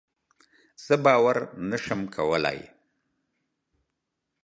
زه باور نشم کولی.